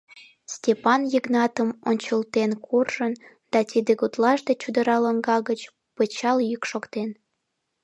Стапан Йыгнатым ончылтен куржын, да тиде гутлаште чодыра лоҥга гыч пычал йӱк шоктен.